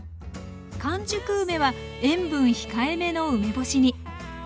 完熟梅は塩分控えめの梅干しに。